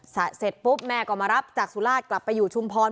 เสร็จปุ๊บแม่ก็มารับจากสุราชกลับไปอยู่ชุมพร